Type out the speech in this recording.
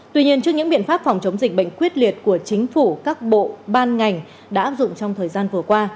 tuy nhiên trước những biện pháp phòng chống dịch bệnh quyết liệt của chính phủ các bộ ban ngành đã áp dụng trong thời gian vừa qua